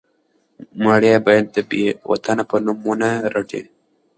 مړی یې باید د بې وطنه په نوم ونه رټي.